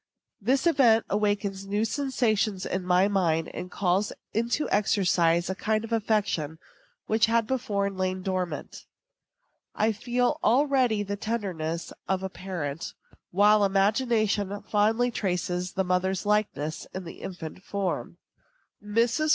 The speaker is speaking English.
This event awakens new sensations in my mind, and calls into exercise a kind of affection which had before lain dormant. I feel already the tenderness of a parent, while imagination fondly traces the mother's likeness in the infant form. Mrs.